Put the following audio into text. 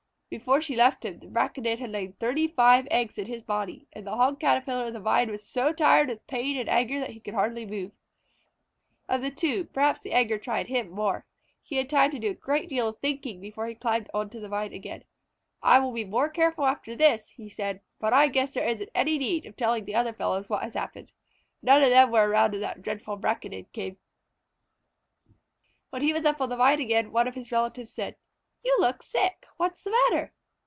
Before she left him, the Braconid had laid thirty five eggs in his body, and the Hog Caterpillar of the Vine was so tired with pain and anger that he could hardly move. Of the two, perhaps the anger tired him the more. He had time to do a great deal of thinking before he climbed onto the vine again. "I will be more careful after this," he said, "but I guess there isn't any need of telling the other fellows what has happened. None of them were around when that dreadful Braconid came." When he was up on the vine again, one of his relatives said: "You look sick. What is the matter?"